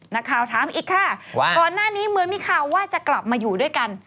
นักข่าวถามอีกค่ะว่าก่อนหน้านี้เหมือนมีข่าวว่าจะกลับมาอยู่ด้วยกัน